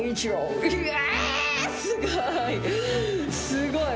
すごい。